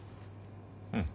うん。